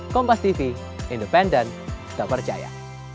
kompastv independen tak percaya